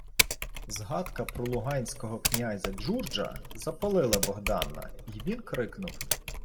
Згадка про луганського князя Джурджа запалила Богдана, й він крикнув: